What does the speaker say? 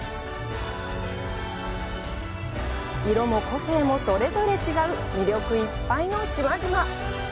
色も個性もそれぞれ違う魅力いっぱいの島々。